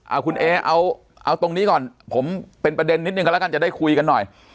เอาคุณเอเอาตรงนี้ก่อนผมเป็นประเด็นนิดนึงกันแล้วกันจะได้คุยกันหน่อย